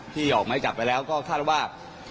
ออกไม้จับไปแล้วก็คาดว่า